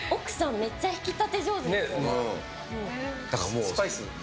めっちゃ引き立て上手ですよね。